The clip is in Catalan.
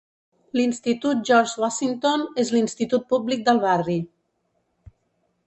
L'Institut George Washington és l'institut públic del barri.